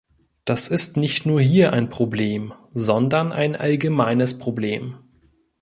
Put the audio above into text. Das ist nicht nur hier ein Problem, sondern ein allgemeines Problem.